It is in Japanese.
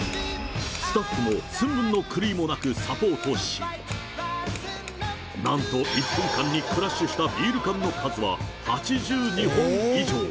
スタッフも寸分の狂いもなくサポートし、なんと１分間にクラッシュしたビール缶の数は８２本以上！